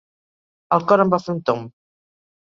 El cor em va fer un tomb.